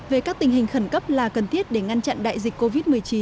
về các tình hình khẩn cấp là cần thiết để ngăn chặn đại dịch covid một mươi chín